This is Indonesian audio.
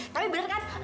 tapi bener kan